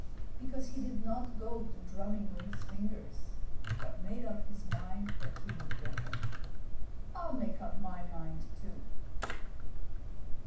Because he did not go to drumming with his fingers, but made up his mind that he would get her. I'll make up my mind too."